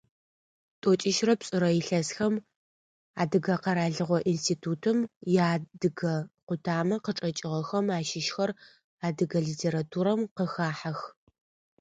Тӏокӏищрэ пшӏырэ илъэсхэм Адыгэ къэралыгъо институтым иадыгэ къутамэ къычӏэкӏыгъэхэм ащыщхэр адыгэ литературэм къыхахьэх.